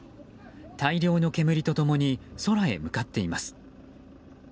大量の煙と共に空へ向かっています。